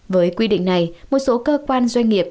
với quy định này một số cơ quan doanh nghiệp